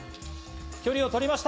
距離をとりました。